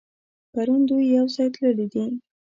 پرون دوی يوځای تللي دي.